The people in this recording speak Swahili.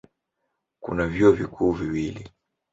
Kuna vyuo vikuu viwili.